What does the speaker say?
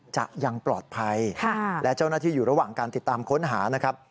จะยังปลอดภัยและเจ้าหน้าที่อยู่ระหว่างการติดตามค้นหานะครับ